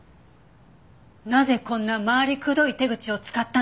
なぜこんな回りくどい手口を使ったんです？